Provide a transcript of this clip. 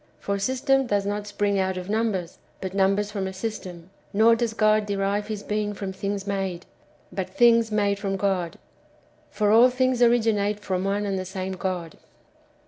For system * does not spring out of numbers, but numbers from a system ; nor does God derive His being from things made, but things made from God. For all thino;s orio; inate from one and the same God.